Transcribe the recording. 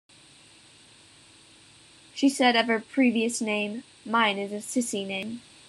She said of her previous name: Mine is a sissy name.